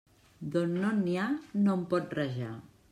D'on no n'hi ha, no en pot rajar.